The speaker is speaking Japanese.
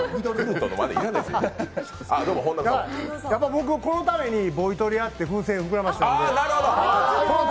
僕、このためにボイトレやって風船膨らませたので。